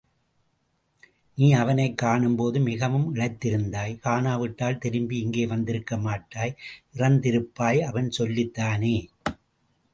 நீ அவனைக் காணும்போது மிகவும் இளைத்திருந்தாய்— காணாவிட்டால் திரும்பி இங்கே வந்திருக்கமாட்டாய் இறந்திருப்பாய் அவன் சொல்லித்தானே.